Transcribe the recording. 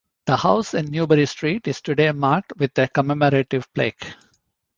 The house in Newbury Street is today marked with a commemorative plaque.